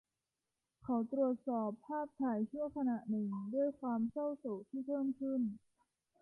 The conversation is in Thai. เขาตรวจสอบภาพถ่ายชั่วขณะหนึ่งด้วยความเศร้าโศกที่เพิ่มขึ้น